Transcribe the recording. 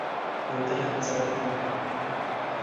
الوتکې خپل سرعت کم کړ.